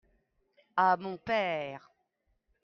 à mon père.